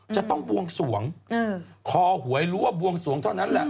จะต้องบวงส่วงคอหัวไอ้รั่วบวงส่วงเท่านั้นแหละ